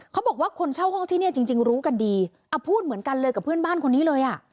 เขาบอกว่าคนเช่าห้องที่เนี่ยจริงจริงรู้กันดีพูดเหมือนกันเลยกับเพื่อนบ้านคนนี้เลยอ่ะ